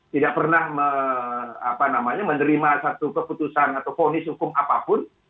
tidak pernah menerima satu keputusan atau fonis hukum apapun